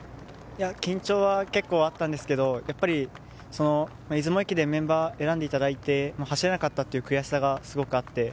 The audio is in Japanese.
緊張は結構あったんですけどやっぱり、出雲駅伝メンバーに選んでいただいて走れなかったという悔しさがすごくあって。